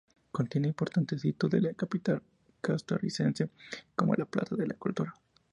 Contiene importantes hitos de la capital costarricense, como la Plaza de la Cultura.